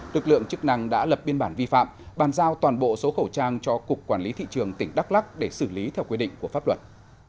lực lượng chức năng đã lập biên bản vi phạm bàn giao toàn bộ số khẩu trang cho cục quản lý thị trường tỉnh đắk lắc để xử lý theo quy định của pháp luật